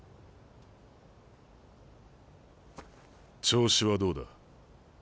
調子はどうだ？